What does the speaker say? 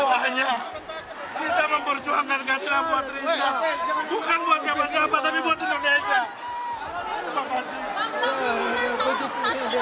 sabar sabar pak